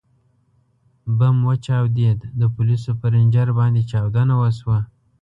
ـ بم وچاودېد، د پولیسو پر رینجر باندې چاودنه وشوه.